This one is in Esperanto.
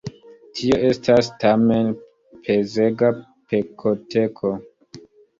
Tio estas tamen pezega pekoteko.